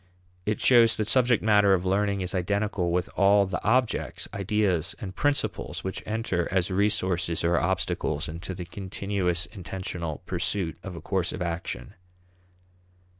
It shows that subject matter of learning is identical with all the objects, ideas, and principles which enter as resources or obstacles into the continuous intentional pursuit of a course of action.